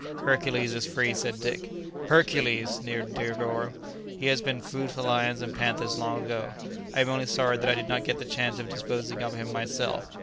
"Hercules is free," said Dick. "Hercules!" sneered Negoro; "he has been food for lions and panthers long ago, I am only sorry that I did not get the chance of disposing of him myself."